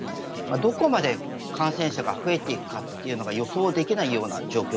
どこまで感染者が増えていくかというのが予想できない状況。